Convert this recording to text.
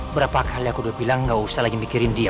berapa kali aku udah bilang gak usah lagi mikirin dia